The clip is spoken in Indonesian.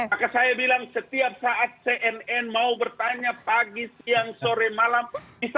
maka saya bilang setiap saat cnn mau bertanya pagi siang sore malam di saluran mana saja